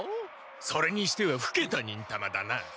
それにしてはふけた忍たまだな。